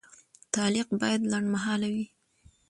تعلیق باید لنډمهاله وي.